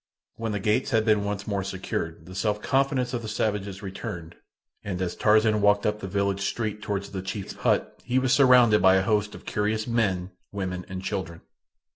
When the gates had been once more secured the self confidence of the savages returned, and as Tarzan walked up the village street toward the chief's hut he was surrounded by a host of curious men, women, and children.